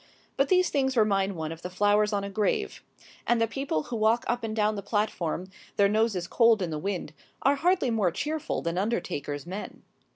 But these things remind one of the flowers on a grave. And the people who walk up and down the platform, their noses cold in the wind, are hardly more cheerful than undertakers' men.